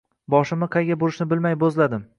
Boshimni qayga urishni bilmay bo`zladim